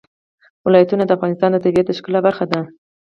ولایتونه د افغانستان د طبیعت د ښکلا برخه ده.